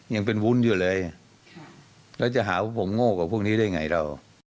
ยังเป็นวุ้นอยู่เลยแล้วจะหาว่าผมโง่กับพวกนี้ได้ไงเรา